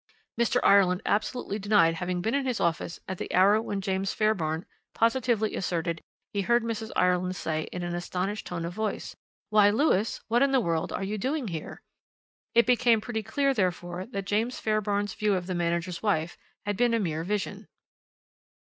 "Mr. Ireland absolutely denied having been in his office at the hour when James Fairbairn positively asserted he heard Mrs. Ireland say in an astonished tone of voice: 'Why, Lewis, what in the world are you doing here?' It became pretty clear therefore that James Fairbairn's view of the manager's wife had been a mere vision.